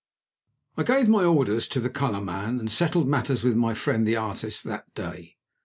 I GAVE my orders to the colorman, and settled matters with my friend the artist that day.